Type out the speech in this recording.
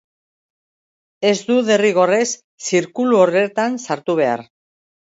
Ez du derrigorrez zirkulu horretan sartu behar.